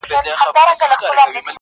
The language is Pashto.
ماما خېل یې په ځنګله کي یابوګان وه٫